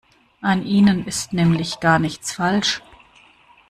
An ihnen ist nämlich gar nichts falsch.